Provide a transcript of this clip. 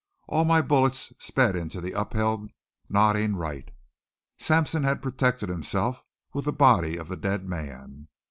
All my bullets sped into the upheld nodding Wright. Sampson had protected himself with the body of the dead man.